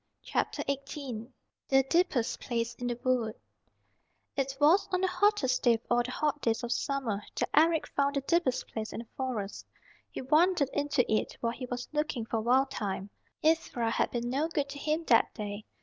CHAPTER XVIII THE DEEPEST PLACE IN THE WOOD It was on the hottest day of all the hot days of summer that Eric found the deepest place in the Forest. He wandered into it while he was looking for Wild Thyme. Ivra had been no good to him that day.